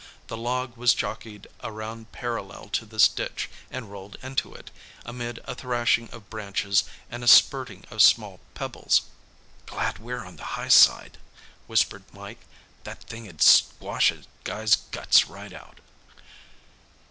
The log was jockeyed around parallel to this ditch and rolled into it, amid a thrashing of branches and a spurting of small pebbles. "Glad we're on the high side," whispered Mike. "That thing 'ud squash a guy's guts right out!"